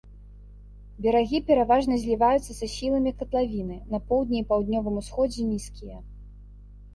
Берагі пераважна зліваюцца са схіламі катлавіны, на поўдні і паўднёвым усходзе нізкія.